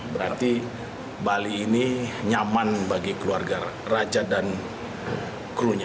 berarti bali ini nyaman bagi keluarga raja dan krunya